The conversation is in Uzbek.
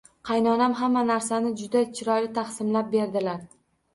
Qaynonam hamma narsani juda chiroyli taqsimlab berdilar.